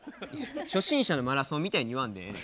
初心者のマラソンみたいに言わんでええねん。